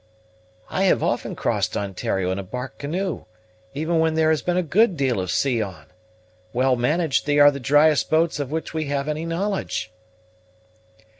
"I have often crossed Ontario in a bark canoe, even when there has been a good deal of sea on. Well managed, they are the driest boats of which we have any knowledge."